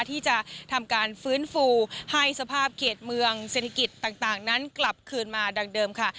ที่จะทำการฟื้นฟูให้สภาพเกียรติเมืองเศรษฐกิจต่างนั้นกลับคืนมาดังเดิมค่ะ